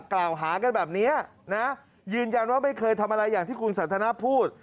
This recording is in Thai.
กล่าวหากันแบบนี้นะยืนยันว่าไม่เคยทำอะไรอย่างที่คุณสันทนาพูด